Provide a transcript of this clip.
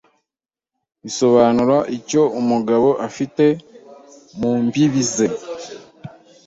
bisobanura icyo umugabo afite mu mbibi ze